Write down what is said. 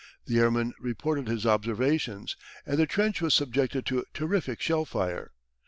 The airman reported his observations and the trench was subjected to terrific shell fire.